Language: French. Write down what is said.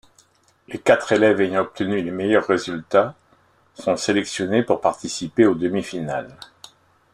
Les quatre élèves ayant obtenu les meilleurs résultats sont sélectionnés pour participer aux demi-finales.